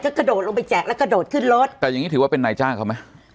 ก็กระโดดลงไปแจกแล้วกระโดดขึ้นรถแต่อย่างงี้ถือว่าเป็นนายจ้างเขาไหม